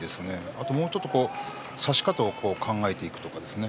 あと、もうちょっと差し方を考えていくとかですね。